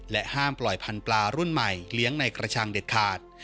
ห้ามปล่อยพันธุ์ปลารุ่นใหม่เลี้ยงในกระชังเด็ดขาด